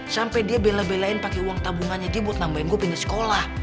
sampe dia bela belain pake uang tabungannya dia buat nambahin gua pindah sekolah